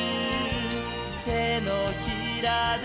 「てのひらで」